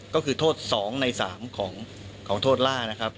ก็คือโทษ๒ใน๓ของโทษล่านะครับ